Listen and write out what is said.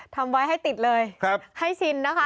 ทำไว้ให้ติดเลยให้ชินนะคะ